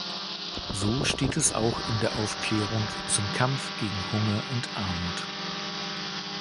So steht es auch in der Erklärung zum Kampf gegen Hunger und Armut.